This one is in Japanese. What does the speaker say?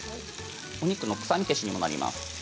お肉の臭み消しにもなります。